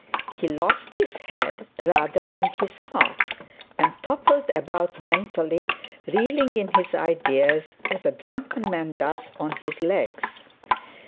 He lost his head rather than his heart, and toppled about mentally, reeling in his ideas as a drunken man does on his legs.